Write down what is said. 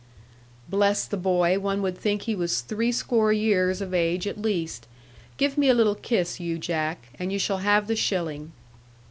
'Bless the boy, one would think he was threescore years of age at least. Give me a little kiss, you Jack, and you shall have the shilling.'